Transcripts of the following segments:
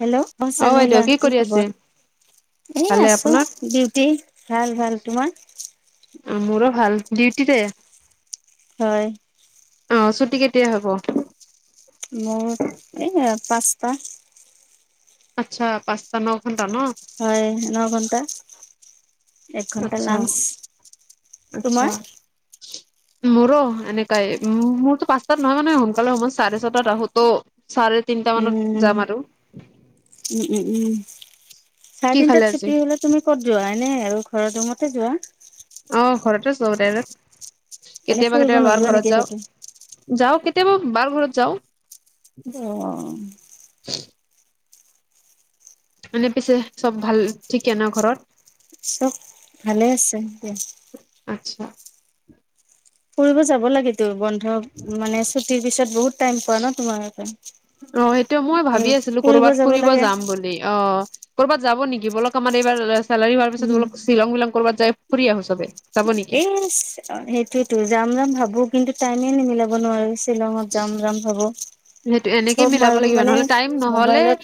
Hello অ বাইদেউ শৰ্মিলা কি কৰি খবৰ? আছে এ ভালে আছো, আপোনাৰ ডিউটি ভাল ভাল তোমাৰ? মোৰো ভাল ডিউটিত, হয় অ ছুটি কেতিয়া হব। মোৰ এ পাঁচটা। আচ্ছা পাঁচতা ন খন হয় ন ঘণ্টা, আচ্ছা আচ্ছা। তোমাৰ মোৰো এনেকাই মোৰতো পাঁচটাত নহয় মানে সোনকালে সব চাৰে ছটাত আহোতো চাৰে তিনটা মানত উম যাম আৰু। উম উম উম চাৰে কি খালে তিনটাত আজি ছুটি হলে তুমি ক'ত যোৱা এনে আৰু ঘৰৰ মতে যোৱা? এনে কেতিয়া বা ফুৰিব কেতিয়া বাৰ নোযোৱা নেকি ঘৰত যাওঁ ক'তো যাও কে তে বাৰ ঘৰত যাও। অ [unintelligible] এনে পিছে চব ভাল ঠিকে ন ঘৰত? চব ভালে আছে এয়া আচ্ছা ফুৰিব যাব লাগে ত বন্ধ মানে ছুটিৰ পিছত বহুত টাইম পোৱা ন তোমাৰ অ সেইটো মই ভাবি আছিলো কৰবাত ফুৰিব যাম বুলি অ ক'ৰবাত যাব নেকি বল আমাৰ এইাৰ চেলাৰী হোৱাৰ পিছত বোল উম শ্বিলং বিলং কৰ'ৰবাত যাই ফুৰি আহোঁ চে এ সেইটোৱেতো যাম যাম ভাবো কিন্তু টাইমে নিমিলাব নোৱাৰো শ্বিলঙত যাম যাম ভাবো সেইটো এনেকে চব মই মিলাব লাগিব মানে নহলে টাইম নহলে মোবাইলত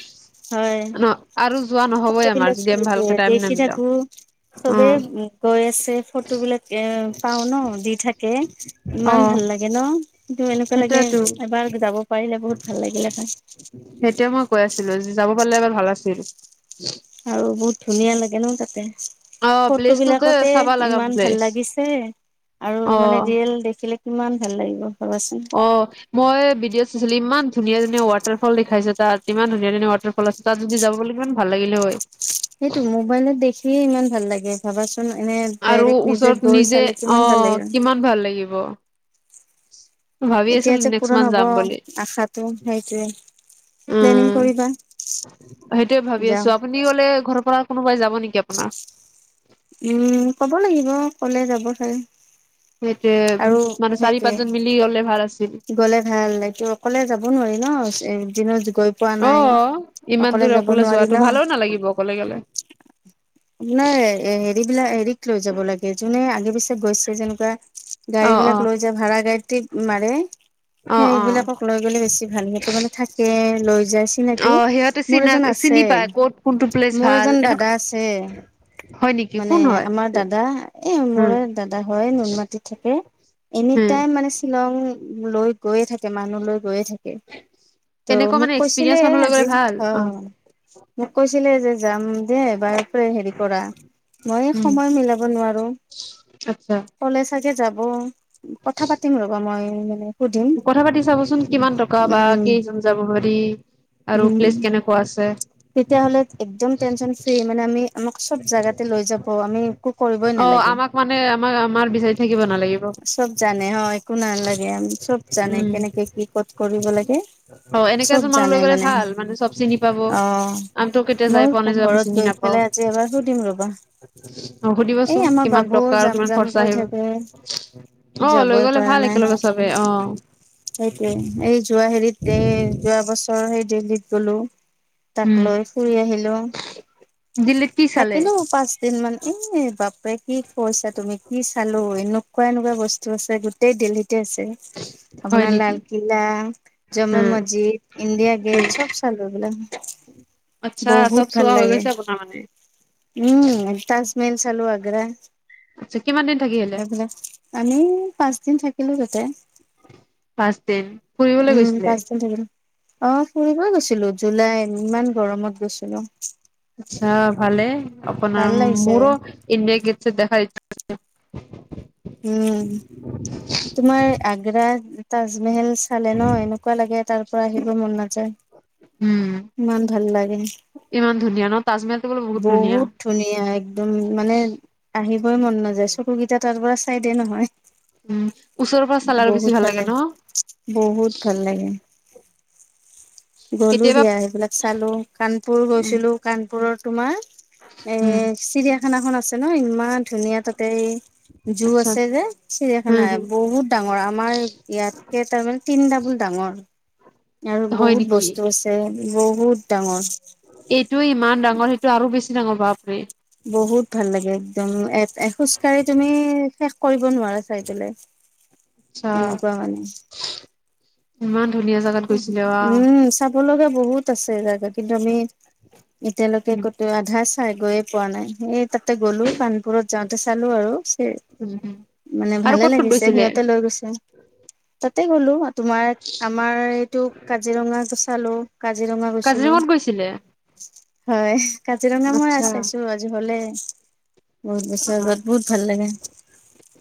হয় ন আৰু যোৱা নহবই ফটো আমাৰ বিলাক যদি আমি খাইছে ভালকে টাইম দেখি নিমিলাও থাকো অ চবে গৈ আছে ফটো বিলাক এ পাওঁ ন দি থাকে অ ইমান ভাল ভাল লাগে ন কিন্তু এনেকুৱা লাগে সেইটোয়েতো এবাৰ যাব পাৰিলে বহুত ভাল লাগিলে হয়াই এতিয়া মই কৈ আছিলো যে যাব পাৰিলে এবাৰ ভাল আছিল আৰু বহুত ধুনীয়া লাগে ন তাতে অ ফটো প্লেচটো যে বিলাকতে চাবা লগা ইমান ভাল প্লেচ লাগিছে আৰু মানে অ ৰিয়েল দেখিলে কিমান ভাল লাগিব ভাবাচোন অ মই ভিডিঅ' চাইছিলো ইমান ধুনীয়া ধুনীয়া ৱাটটাৰল দেখাইছে তাত ইমান ধুনীয়া ধুনীয়া ৱাটাৰফল আছে তাত যদি যাবলৈাগ ইমান ভাল লাগিলে হয় সেইটো মোবাইলত দেখিয়ে ইমান ভাল লাগে ভাবাচোন এনে আৰু ডাইৰেক্ট ওচৰত গৈ নিজে চালে অ কিমান ভাল লাগিব। কিমান ভাল লাগিব [unintelligible] এতিয়া আছিলো যে নেক্সট পূৰণ মান্থ হ'ব যাম বুলি আশাটো সেইটোৱে প্লেনিং উম কৰিবা সেইটোয়ে ভাবি যাম। আছো আপুনি কলে ঘৰৰ পৰা কোনোবাই যাব নেকি আপোনাৰ উম কব লাগিব কলে যাব চাগে সেইটোৱে আৰু মানে চাৰি সেইটোৱে পাঁচজন মিলি গলে ভাল আছিল গ'লে ভাল অকলে যাব নোৱাৰি ন এদিনত গৈ পোৱা অ নাই ইমান দূৰ অকলে যোৱাটো ভালো নালাগিব অকলে গলে [unintelligible] হেৰিবলাক হেৰিক লৈ যাব লাগে যোনে আগে পিছে গৈছে যেনেকুৱা গাড়ী অ অ বিলাক লৈ যায় ভাড়া গাড়ী মাৰে অ হে অ এইবিলাকক লৈ গলে বেছি ভাল সিহতে মানে থাকে লৈ যায় অ চিনাকি সিহঁতে মোৰ চিনা এজন আছে চিনি আছে পায় ক'ত কোনটো প্লেচ মোৰ ভাল এজন এনেকুৱা দাদা আছে হয় নেকি মানে কোন আমাৰ হয় দাদা এ উম, মৰে দাদা হয় নুনমাটিত থাকে এনি উম, টাইম মানে শ্বিলং লৈ গৈয়ে থাকে মানুহ লৈ গৈয়ে থাকে ত তেনেকুৱা মোক মানে কৈছিলে এক্সপিৰিয়েঞ্চ মানুহ লৈ আজি গ'লে ভাল অ মোক কৈ যাম দে এবাৰ হেৰি কৰা মই উম, সময় মিলাব নোৱাৰো আচ্ছা। চাগে যাব কথা পাতিম ৰ'বা মই সুধিম কথা পাতি চাবচোন কিমান টকা বা উম কেইজন যাব পাৰি আৰু উম প্লেচ কেনেকুৱা আছে তেতিয়াহ'লে একদম টেনচন ফ্ৰী মানে আমি আমাক চব জাগাতে লৈ যাব আমি একো কৰিবই অ', নালাগে আমাক মানে আমাক আমাৰ বিচাৰি থাক চব জানে হয় একো নালাগে চব জানে উম, কেনেকে কি ক'ত কৰিব লাগে অ', এনেকে চব এজন মানুহ জানে লৈ গ'লে মানে ভাল চব চিনি পাব। আহ আমটো কেতিয়া মই যাই পোৱা নাই যে আমি ঘৰত চিনি গৈ নাপাওঁ পেলাই আজি এবাৰ সুধিম ৰবা অ', এ সুধিবচোন আমাৰ কিমান টকা বাবুও আৰু জাম কিমান জাম খৰচা কৰি আহিব। থাকে অ', লৈ যাবই গ'লে ভাল পৰা নাই একেলগে চবে অ', সেইটোৱে এই যোৱা হেৰিত এই যোৱা বছৰ সেই দিল্লীত গলো তাক লৈ ফুৰি আহিলো চালে থাকিলো পাঁচ দিন মান এ বাপে কি কৈছা তুমি কি চালো এনেকুৱা এনেকুৱা বস্তু আছে গোটেই দিল্লী [unintelligible] আছে। হয় আপোনাৰ নেকি লালকিল্লা জামে উম, মছজিদ ইণ্ডিয়া গেট উম। চব চালো এইবিলাক। [unintelligible] আচ্ছা বহুত চব ভাল চোৱা হৈ লাগে গৈছে আপোনাৰ মানে। উম তাজমহল চালোঁ আগ্ৰা। আচ্ছা কিমান দিন থাকি আহিলে? এইবিলাক আমি পাঁচদিন থাকিলো তাতে। পাঁচদিন ফুৰিবলৈ গৈছিলে। অহ ফুৰিব গৈছিলো জুলাইত ইমান গৰমত গৈছিলো। আচ্ছা ভালে ভাল আপোনাৰ লাগিছে মোৰো ইণ্ডিয়া গেট চেট দেখাৰ ই। [unintelligible] উম তোমাৰ আগ্ৰা তাজমহল। চালে নহ এনেকুৱা লাগে তাৰ পৰা আহিব মন নাযায়। উম ইমান ভাল লাগে। ইমান ধুনীয়া ন তাজমহলটো বোলে ধুনীয়া। বহুত ধুনীয়া একদম মানে আহি। [unintelligible] মন নাযায় চকুকেইটা তাৰ পৰা চাইদে নহয়। উম ওচৰৰ পৰা চালে আৰু বেছি বহুত ভাল ন লাগে বহুত ভাল লাগে। গ'লো কেতিয়াবা দিয়া সেইবিলাক চালোঁ কানপুৰ উম গৈছিলো কানপুৰৰ তোমাৰ। এ উম চিৰিয়াখানা খন আছে নহ ইমান ধুনীয়া তাতে। জু আচ্ছা আছে আচ্ছা যে চিৰিয়াখানা হম হম বহুত ডাঙৰ আমাৰ ইয়াতকে তাৰমানে তিন ডাবল ডাঙৰ। ডাঙৰ আৰু হয় বহুত নেকি? বস্তু আছে বহুত ডাঙৰ। এইটোৱে ইমান ডাঙৰ সেইটো আৰু বেছি ডাঙৰ বাপৰে। বহুত ভাল লাগে। একদম এ এ খোজ কাঢ়ি তুমি শেষ কৰিব নোৱাৰা চাই পেলে। আচ্ছা এনেকুৱা মানে। ইমান। ধুনীয়া জাগাত গৈছিলে ৱাহ উম চাব লগা। বহুত আছে জাগা কিন্তু আমি এতিয়ালৈকে উম ক'তো আধা। ঠাই গৈয়ে পোৱা নাই এই তাতে গ'লো কানপুৰত যাওঁতে চালোঁ আৰু। উম মানে আৰু ভালে ক'ত ক'ত লাগিছে গৈছিলে সিহঁতে লৈ গৈছে। তাতে গ'লো তোমাৰ। আমাৰ এইটো কাজিৰঙা চালো কাজিৰঙা গৈছিলোঁ। কাজিৰঙাত গৈছিলে হয় কাজিৰঙা মই আ আচ্ছা চাইছো আজি হ'লে। বহুত বছৰ অ আগত বহুত ভাল লাগে।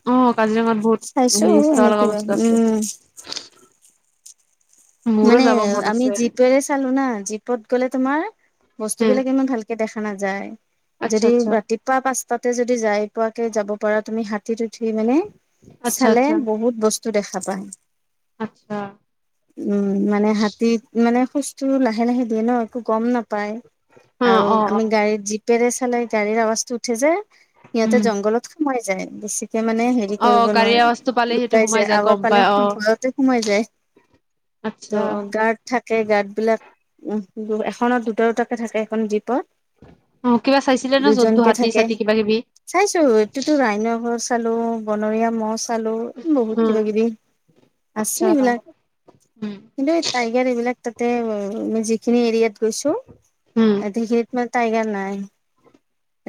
অ কাজিৰঙাত বহুত চাইছোঁ হেৰি চাব এনেক লগা বস্তু আছে উম। মোৰো মানে যাব মন আমি আছে জীপেৰে চালোঁ না জীপত গ'লে তোমাৰ। হ বস্তুবিলাক ইমান ভালকে দেখা নাযায়। আচ্ছা যদি আচ্ছা ৰাতিপুৱা পাঁচটাতে যদি যাই পোৱাকে যাব পাৰা তুমি হাতীত। উঠি মানে আচ্ছা চালে আচ্ছা বহুত বস্তু দেখা পায়। আচ্ছা উম মানে হাতীত মানে খোজটো লাহে লাহে দিয়ে নহ একো গম নাপ। পাই অ আৰু অ অ আমি গাড়ীত জিপেৰে চালেই গাড়ীৰ আৱাজটো উঠে যে। সিহঁতে উম জংঘলত সোমাই যায় বেছিক। তে মানে হেৰি অ কৰিব গাড়ীৰ নোৱাৰে আৱাজটো পালে সেইটো লুকাই সোমাই যায় আগৰ গম ফালে পাই অ ভয়তে সোমাই যায়। [inaudible] আচ্ছা ত' গাৰ্ড থাকে গাৰ্ড বিলাক এখনত দুটা দুটাকে থাকে এখন জীপত। [inaudible] [inaudible] কিবা চাইছিলে নে জন্তু হাতী চাতি কিবা কিবি। চাইছোঁ এইটোতো ৰাইনৰ ঘৰ চালোঁ বনৰীয়া। ম'হ চালোঁ বহুত উম কিবা কিবি আচ্ছা আছে এইবিলাক। উম কিন্তু এই টাইগাৰ এইবিলাক তাতে যিখিনি এৰিয়াত। গৈছো উম সিখিনিত মানে টাইগাৰ নাই।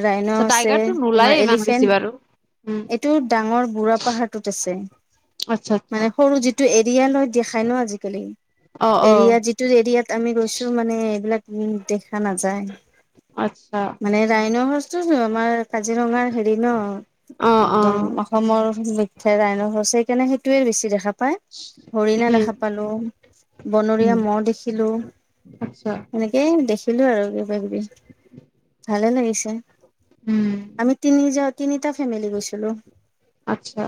ৰাইনা আছে টাইগাৰটো তোমাৰ নোলায়ে ইমান বেছি এলিফেণ্ট বাৰু উম এইটো ডাঙৰ বুঢ়া পাহাৰটোত আছে আচ্ছা আচ্ছা মানে সৰু যিটো এৰিয়া লৈ খাই ন আজিকালি অ অ এৰিয়াাত যিটো এৰিয়াত আমি গৈছো মানে এইবিলাক উ দেখা নাযায় আচ্ছা মানে ৰাইন হচো আমাৰ কাজিৰঙাৰ হেৰি ন অ অ একদম অসমৰ মখ্যে ৰাইনৰচ সেইকাৰণে সেইটোৱে বেছি দেখা পায় দিনা উম দেখা পালো বনৰীয়া উম মহ দেখিলো আচ্ছা সেনেকেই দেখিলো আৰু ভালে লাগিছে উম আমি তিনি যত তিনিটা ফেমিলি গৈছে উ আচ্ছা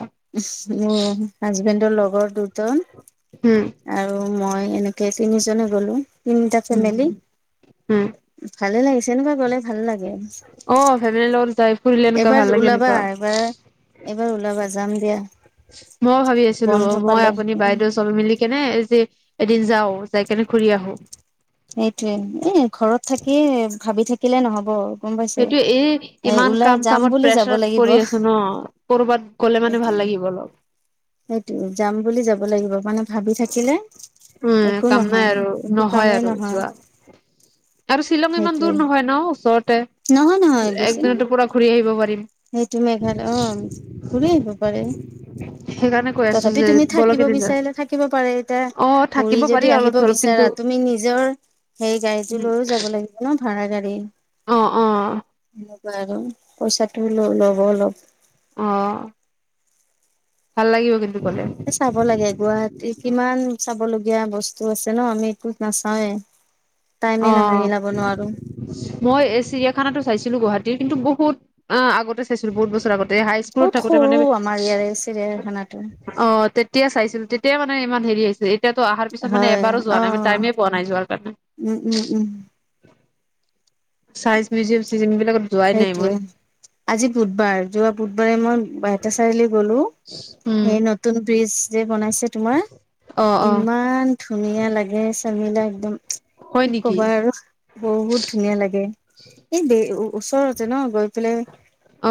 হাজবেণ্ডৰ লগৰ দুজন উম আৰু মই এনেকে তিনি জনে গলো তিনিটা উম ফেমিলি উম। ভালে লাগিছে এনেকুৱা গলে ভাল লাগে অ ফেমিলিৰ লগত যাই ফুৰিলে এনেকুৱা এইবাৰ ভাল লাগে ওলাবা এনেকুৱা এইবাৰ এইবাৰ ওলাবা যাম দিয়া মই ভাবি আছিলো বন্ধ মই পালে আপুনি উম বাইদেউ চবে মিলি কেনে যে এদিন যাও যাই কেনে ঘূৰি আহো সেইটোৱে এ ঘৰত থাকি ভাবি থাকিলে নহব আৰু সেইটো এই ইমান কাম চামত বুলি যাব প্ৰেচাৰত লাগিব পৰি আছো ন কৰবাত গ'লে মানে এইটো ভাল লাগে কি বল সেইটো যাম বুলি যাব লাগিব মানে ভাবি থাকিলে উম একো কাম নাই নহয় আৰু একো নহয় কামেই আৰু নহয় যোৱা আৰু শ্বিলং ইমান দূৰ সেইটোৱে নহয় ন ওচৰতে নহয় নহয় বেছি একদিনতে নহয় পুৰা ঘূৰি আহিব পাৰি সেইটো মেঘাল অ ঘূৰি আহিব পাৰে সেইকাৰণে কৈ আছো তথাপি যে তুমি বলক থাকিব এদিন যাও বিচাৰিলে থাকিব পাৰে এতিয়া অ ঘুৰি থাকিব পাৰি যদি অলপ আহিব চলপ কিন্তু বিচাৰা তুমি নিজৰ সেই গাড়ীটো লৈও যাব লাগিব ন ভাড়া গাড়ী অ অ বাৰু পইচাটো ল ল'ব অলপ আহ ভাল লাগিব এ চাব লাগে গুৱাহাটী কিমান চাব লগগীয়া বস্তু আছে ন আমি এইটোত নাচাওৱেই অ মই চিৰিয়াখানা চাইছিলো গুৱাহাটী কিন্তু বহুত আগতে চাইছিলো বহুত বছৰ আগত হাই স্কুলত বহুত থাকোতে মানে সৰু আমাৰ ইয়াৰে চিৰিয়াখানাটো। অ তেতিয়া চাইছিলো তেতিয়াই মানে ইমান হেৰি আছিল এতিয়াতো অহাৰ পিছত মান হয় এবাৰো যোৱা নাই মান অ', টাইমে পোৱা নাই যোৱাৰ কাৰণে um, um, um science museum চিজিয়াম এইবিলাকৰ সেইটোৱে আজি বুধবাৰ যোৱা বুধবাৰে মই বাইহেটা চাৰিআলি গলো উম সেই নতুন বীজ যে বনাইছে তোমাৰ অ অ ইমান ধুনীয়া লাগে ত মিলা একদম হয় কি নেকি কবা আৰু বহুত ধুনীয়া লাগে এই ব ওচৰতে ন গৈ পেলাই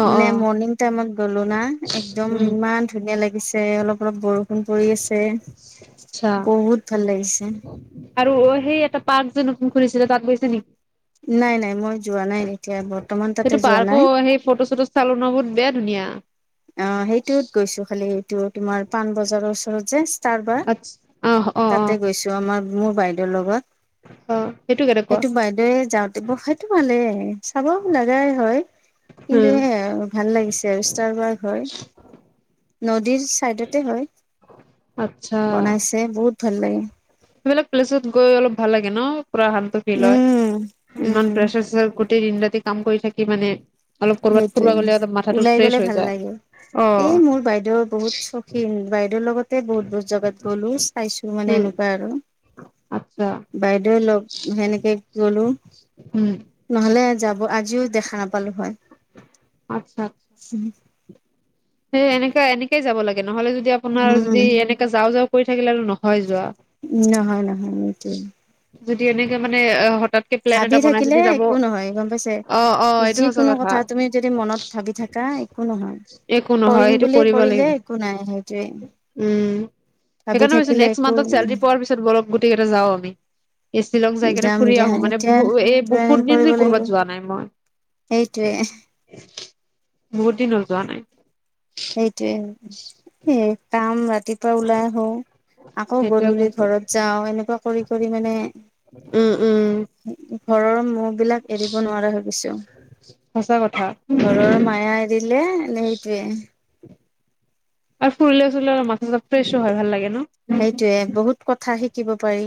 অ অ মৰ্ণিং টাইমত গ'লো না একদম উম ইমান ধুনীয়া লাগিছে অলপ অলপ বৰষুণ কৰি আছে আচ্ছা বহুত ভাল লাগিছে [unintelligible] খুলিছিলে তাক গৈছে নেকি নাই নাই মই যোৱা নাই এতিয়া বৰ্তমান সেইটো তাতে যোৱা পাৰ্কো নাই [unintelligible] চালো ন বহুত বেয়া ধুনীয়া অ সেইটোত গৈছো খালি এইটো তোমাৰ পাণবজাৰৰ ওচৰত যে ষ্টাৰবাৰ? আচ্ছা অ অ অ তাতে গৈছো আমাৰ মোৰ বাইদেউৰ লগত। অ সেইটো বাইদেৱে যাওঁতে ব সেইটো ভালে চাব লগাই হয়। কিন্তু উম এ ভাল লাগিছে আৰু ষ্টাৰবাৰ হয়। নদীৰ চাইডতে হয় বনাইছে বহুত ভাল লাগে। সিবিলাক প্লেছত গৈ অলপ ভাল লাগে ন? পুৰা শান্ত ফিল হয়, উম ইমান উম প্ৰেচাৰ চেঁচা গোটেই দিন ৰাতি কাম কৰি থাকি মানে- অলপ কৰবাত ফৰব সেইটোৱে গ'লে মথাটো ওলাই ফ্ৰেছ গলে হৈ ভাল যায় লাগে অ এই মোৰ বাইদেউৰ বহুত চখীন বাইদেউৰ লগত, বহুত বহুত জেগাত গ'লো চাইছো মানে উম। এনেকুৱা আৰু আচ্ছা বাইদেউ লগ সেনেকে গলো উম নহলে যাব আজিও দেখা নাপালো হয় আতচ্ছা আচ্ছা স এনেকা এনেকাই যাব লাগে নহলে যদি আপোনাৰ উম যদি এনেকে যাওঁ যাওঁ কৰি থাকিলে আৰু নহয় যোৱা। হয় নাইহ সটোয়ে [unintelligible] যদি এনেকে মানে এ ভাবি থাকিলে একো নহয় গম পাইছে অ অ এইটো সঁচা যিকোনো কথা তুমি যদি মনত ভাবি থাক- কা একো নহয়, একো নহয় কৰিম সেইটো বুলি কৰিব কৰিলে লাগিব একো নাই সেইটোৱে উম। ভাবি সেইকাৰণেতো থাকিলে নেক্সট একো মান্থত চেলাৰৰি পোৱাৰ পিছত বৰ গোটেই যও আমি এই শ্বিলং যাই কেনে যাম ফুৰি দিয়া আহো মানে এতিয়া বহু এই বহুত প্লেনিং দিন ধ কৰিব লাগিব কৰ'বাত যোৱা নাই মই,, সেইটোৱে বহুত দিন যোৱা নাই, সেইটোৱে এ কাম ৰাতিপুৱা ওলাই আহো, আকৌ সেইটোয়ে গধূলি কৈছো ঘৰত যাওঁ এনেকুৱা কৰি কৰি মানে উম উম ঘৰৰ মোহ বিলাক এৰিব নোৱাৰা হৈ গৈছোঁ। সঁচা কথা ঘৰৰ মায়া এৰিলে সেইটোৱে আৰু ফুুৰিলে চুৰিলে অলপ মাথা চাতা ফ্ৰেছো হয় ভাল লাগে ন। সেইটোয়ে বহুত কথা শিকিব পাৰি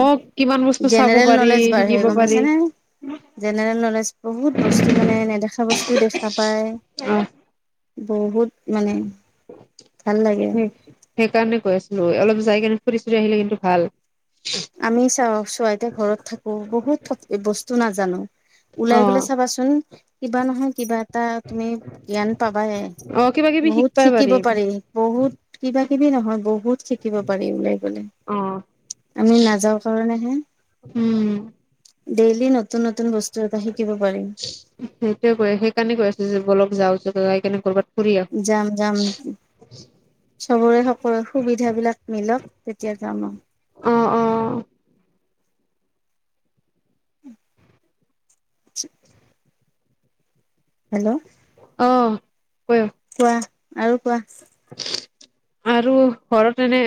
অ কিমান বস্তু চাব জেনেৰেল পাৰি নলেজ বাঢ়ে শিকিব গম পাৰি পাইছে নে। জেনেৰেল নলেজ বহুত বস্তু মানে নেদেখা বস্তুও দেখা পায়। অ বহুত মানে ভাল লাগে। সেই সেইকাৰণে কৈ আছিলো অলপ যাই‌ কিনে ফুৰি চুৰি আহিলে কিন্তু ভাল। আমি চা ছৱেইতো ঘৰত থাকো বহুত বস্তু নাজানো। অ ওলাই গলে চাবাচোন কিবা নহয় কিবা এটা তুমি জ্ঞান পাবাই। অ কিবা কিবি বহুত শিকবাই শিকিব পাৰিম পাৰি বহুত কিবা কিবি নহয় বহুত শিকিব পাৰি উলাই গ'লে। অ আমি নাযাওঁ কাৰণে হে উম। ডেইলি নতুন নতুন বস্তু এটা শিকিব পাৰিম সেইটোৱে কৈ সেইকাৰণে কৈ আছো যাওঁ বলক যাই কিনে ক'ৰবাত ফুৰি যাম যাম। চবৰে সকলোৰে সুবিধাবিলাক মিলক তেতিয়া যাম আৰু। আহো অ অ [unintelligible] [inaudible] হেল্ল'অ অ ক'ক কোৱা আৰু কোৱা। আৰু ঘৰত এনে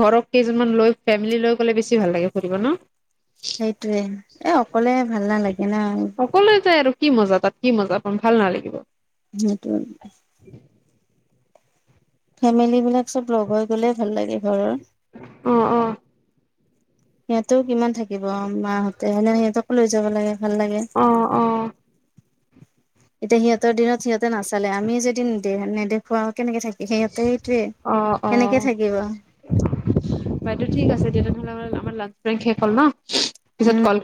ঘৰৰ কেইজনমান লৈ ফেমিলি লৈ গ'লে বেছি ভাল লাগে ফুৰিব ন। সেইটোয়ে, এ অকলে ভাল নালাগে না। অকলে যায় আৰু কি মজা তাত কি মজা পাম ভাল নালাগিব। সেইটোৱে। ফেমেলী বিলাক চব লগ হৈ গলে ভাল লাগে ঘৰৰ। অ অ সিহঁতেও কিমান থাকিব, মাহঁতে সেইকাৰণে সিহঁতক লৈ যাব লাগে ভাল লাগে। অ অ এতিয়া সিহঁতৰ দিনত। সিহতে নাচালে আমিও যদি নেদেখুৱাও কেনেকে থাকে। সিহঁতে সেইটোৱে। অ' সেনেকে অ' থাকিব উম বাইদেউ ঠিক আছে তেনেহ'লে। আমাৰ লাষ্ট ব্ৰেক শেষ হল ন। পিছত ক'ল